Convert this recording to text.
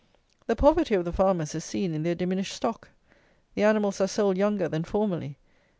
The poverty of the farmers is seen in their diminished stock. The animals are sold younger than formerly.